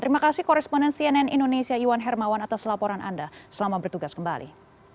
terima kasih koresponen cnn indonesia iwan hermawan atas laporan anda selamat bertugas kembali